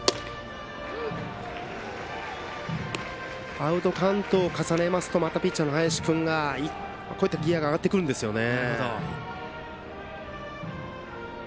アウトカウントを重ねますとまたピッチャーの林君がギヤが上がってくるんですよね。